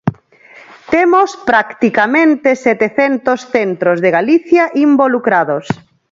Temos practicamente setecentos centros de Galicia involucrados.